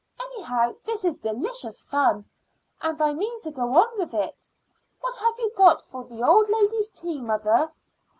Anyhow, this is delicious fun, and I mean to go on with it. What have you got for the old lady's tea, mother?"